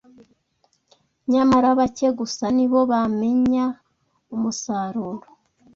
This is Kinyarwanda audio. Nyamara bake gusa ni bo bamenya umusaruro